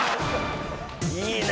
いいね！